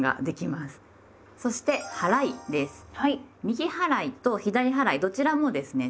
右払いと左払いどちらもですね